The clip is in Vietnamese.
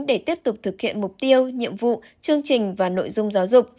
để tiếp tục thực hiện mục tiêu nhiệm vụ chương trình và nội dung giáo dục